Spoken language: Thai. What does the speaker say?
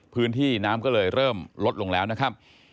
พื้นที่น้ำก็เลยเริ่มลดลงแล้วนะครับ